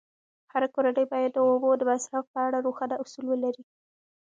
هره کورنۍ باید د اوبو د مصرف په اړه روښانه اصول ولري.